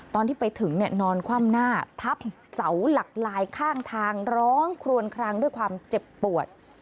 ตอนที่ไปถึงนอนคว่ำหน้าทับเสาหลักลายข้างทางร้องครวนคลางด้วยความเจ็บปวด